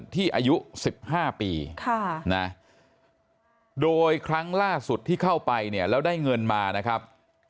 อายุ๑๕ปีโดยครั้งล่าสุดที่เข้าไปเนี่ยแล้วได้เงินมานะครับ